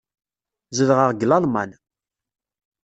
Zedɣeɣ deg Lalman.